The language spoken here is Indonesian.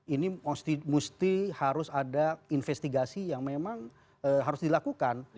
ini mesti harus ada investigasi yang memang harus dilakukan